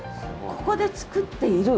ここで作っている？